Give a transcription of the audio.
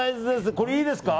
これ、いいですか。